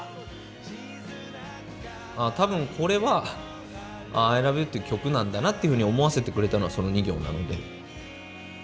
ああ多分これは「アイラブユー」っていう曲なんだなっていうふうに思わせてくれたのはその２行なので。